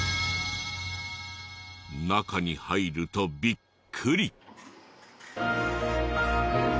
中に入るとビックリ。